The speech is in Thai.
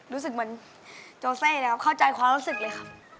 รู้สึกเหมือนโจเซ่เลยครับเข้าใจความรู้สึกเลยครับ